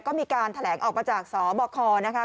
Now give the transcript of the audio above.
ก็มีการแถลงออกมาจากสบคนะคะ